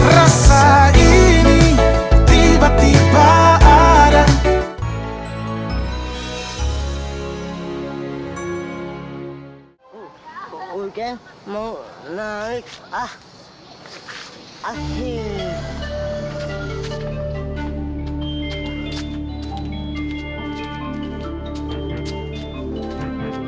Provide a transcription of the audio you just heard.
rasa ini tiba tiba ada